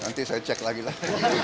nanti saya cek lagi lah